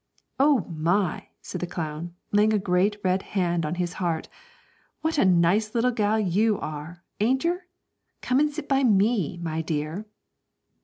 'Oh, my!' said the clown, laying a great red hand on his heart, 'what a nice little gal you are, ain't yer? Come and sit by me, my dear!'